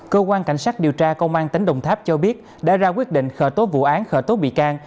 cơ quan cảnh sát điều tra công an tỉnh đồng tháp cho biết đã ra quyết định khởi tố vụ án khởi tố bị can